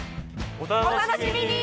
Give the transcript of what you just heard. お楽しみに！